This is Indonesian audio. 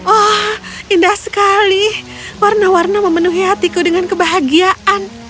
oh indah sekali warna warna memenuhi hatiku dengan kebahagiaan